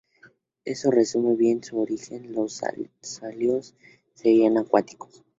Eso resume bien su origen: los salios serían acuáticos.